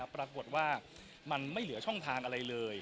ปรากฏว่ามันไม่เหลือช่องทางอะไรเลย